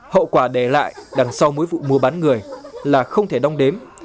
hậu quả để lại đằng sau mỗi vụ mua bán người là không thể đong đếm